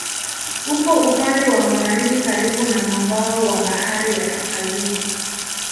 Uko upande wa magharibi karibu na mwambao wa Bahari ya Kaskazini.